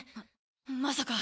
まさか。